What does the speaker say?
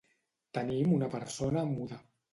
Tenim una persona muda.